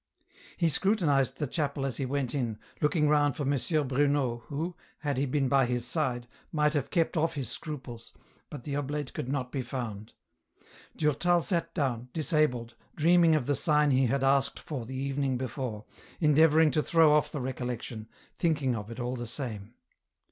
He scrutinized the chapel as he went in, looking round for M. Bruno who, had he been by his side, might have kept off his scruples, but the oblate could not be found. Durtal sat down, disabled, dreaming of the sign he had asked for the evening before, endeavouring to throw off the recollection, thinking of it all the same.